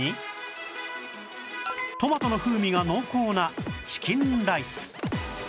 トマトの風味が濃厚なチキンライス